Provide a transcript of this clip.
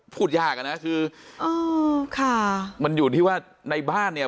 พูดยากอ่ะนะคืออ๋อค่ะมันอยู่ที่ว่าในบ้านเนี่ย